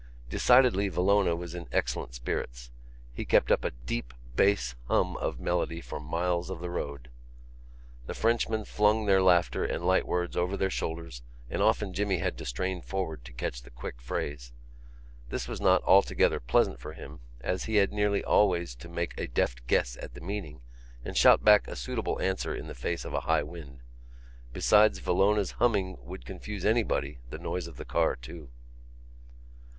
Decidedly Villona was in excellent spirits; he kept up a deep bass hum of melody for miles of the road. The Frenchmen flung their laughter and light words over their shoulders and often Jimmy had to strain forward to catch the quick phrase. This was not altogether pleasant for him, as he had nearly always to make a deft guess at the meaning and shout back a suitable answer in the face of a high wind. Besides Villona's humming would confuse anybody; the noise of the car, too.